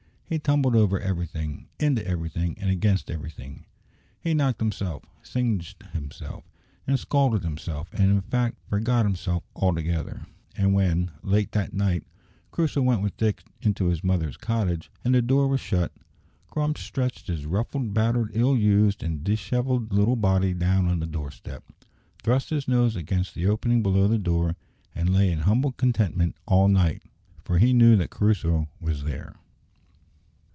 He tumbled over everything, into everything, and against everything. He knocked himself, singed himself, and scalded himself, and in fact forgot himself altogether; and when, late that night, Crusoe went with Dick into his mother's cottage, and the door was shut, Grumps stretched his ruffled, battered, ill used, and dishevelled little body down on the door step, thrust his nose against the opening below the door, and lay in humble contentment all night, for he knew that Crusoe was there.